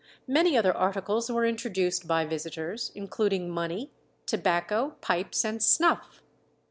Many other articles were introduced by visitors, including money, tobacco, pipes, and snuff.